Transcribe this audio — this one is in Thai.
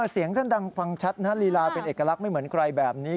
เสียงท่านดังฟังชัดนะฮะลีลาเป็นเอกลักษณ์ไม่เหมือนใครแบบนี้